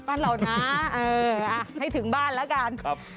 บ้านเรานะเอออ่ะให้ถึงบ้านละกัน